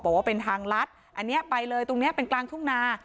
บอกว่าเป็นทางลัดอันนี้ไปเลยตรงนี้เป็นกลางทุ่งนา